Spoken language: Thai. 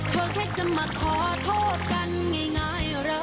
เขาแค่จะมาขอโทษกันง่ายเหรอ